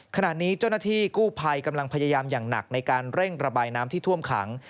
ขณะนี้เจ้าหน้าที่กู้ภัยกำลังพยายามอย่างหนักในการเร่งระบายน้ำที่ท่วมขัง